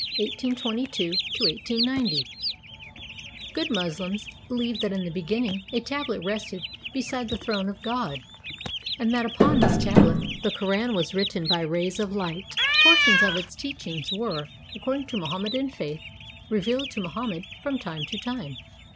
182 2 1 890) Good Moslems believe that in the beginning a tablet rested beside the throne of God, and that upon this tablet the Koran was written by rays of light. Portions of its teachings were, according to Mohammedan faith, revealed to Mohammed from time to time.